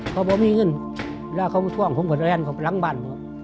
เขาท่วงผมก็แรงเข้าไปล้างบ้าน